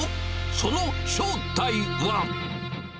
その正体は。